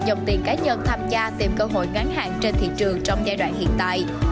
dòng tiền cá nhân tham gia tìm cơ hội ngắn hạn trên thị trường trong giai đoạn hiện tại